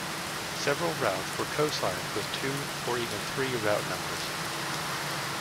Several routes were cosigned with two or even three route numbers.